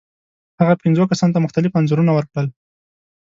هغه پنځو کسانو ته مختلف انځورونه ورکړل.